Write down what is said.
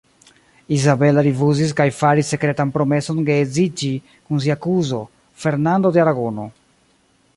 Izabela rifuzis kaj faris sekretan promeson geedziĝi kun sia kuzo, Fernando de Aragono.